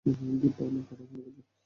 দিব্যা, আমার কথা শোনতে পাচ্ছ?